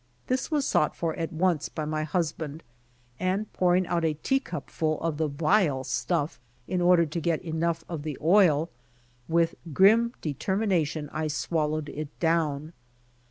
This was sought for at once by m^ husband, and pour ing out a tea cup full of the vile stuff in order to get enough of the oil, with grim determination I swal lowed it down.